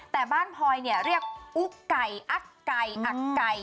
แต่บ้านพลอยเนี่ยเรียกอุ๊กไก่อักไก่อักไก่